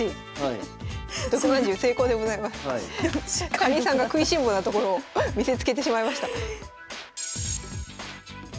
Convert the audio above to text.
かりんさんが食いしん坊なところを見せつけてしまいました。